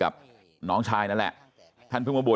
กระดิ่งเสียงเรียกว่าเด็กน้อยจุดประดิ่ง